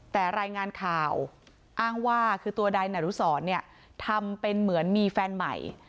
แต่รายงานข่าวอ้างว่าคือตัวนายนารุสรเนี่ยทำเป็นเหมือนมีแฟนใหม่